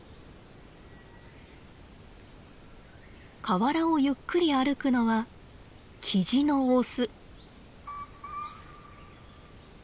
河原をゆっくり歩くのはキジのオス。